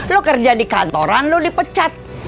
lo kerja di kantoran lo dipecat